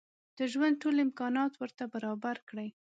د ژوند ټول امکانات ورته برابر کړي.